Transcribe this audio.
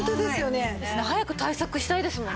早く対策したいですもんね。